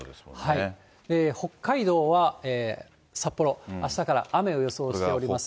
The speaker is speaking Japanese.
北海道は札幌、あしたから雨を予想しておりますが。